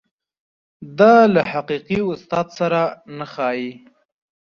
دا له حقیقي استاد سره نه ښايي.